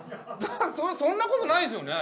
そんな事ないですよね？